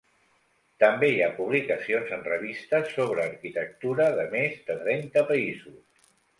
També hi ha publicacions en revistes sobre arquitectura de més de trenta països.